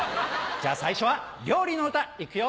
じゃあ最初は料理の歌いくよ！